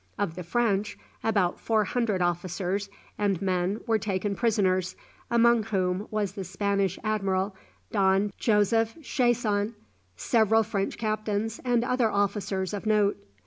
Of the French, about four hundred officers and men were taken prisoners, among whom was the Spanish Admiral Don Joseph Checon, several French captains, and other officers of note.